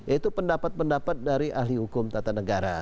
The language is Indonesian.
itu pendapat pendapat dari ahli hukum tata negara